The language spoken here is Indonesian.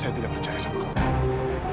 saya tidak percaya sama kita